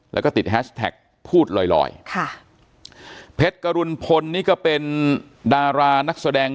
แล้วก็ติดแฮชแท็กพูดลอยลอยค่ะเพชรกรุณพลนี่ก็เป็นดารานักแสดง